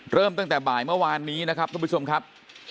เริ่มตั้งแต่บ่ายเมื่อวานนี้นะครับทุกผู้ชมครับ